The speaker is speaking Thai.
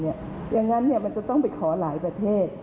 อย่างนั้นมันจะต้องไปขอหลายประเทศ